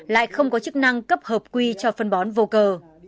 lại không có chức năng cấp hợp quy cho phân bón vô cờ